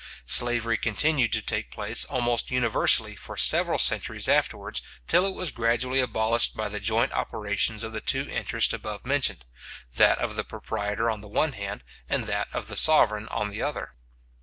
Slavery continued to take place almost universally for several centuries afterwards, till it was gradually abolished by the joint operation of the two interests above mentioned; that of the proprietor on the one hand, and that of the sovereign on the other.